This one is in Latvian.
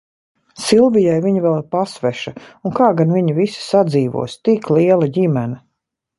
Silvijai viņa vēl pasveša, un kā gan viņi visi sadzīvos, tik liela ģimene!